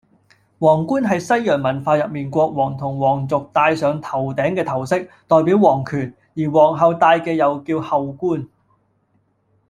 王冠係西洋文化入面國王同王族戴上頭頂嘅頭飾，代表王權。而王后戴嘅又叫后冠